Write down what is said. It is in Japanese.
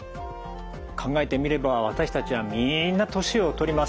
考えてみれば私たちはみんな年を取ります。